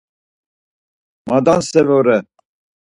Madanse vore.